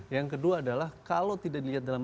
yang kedua adalah kalau tidak dilihat dalam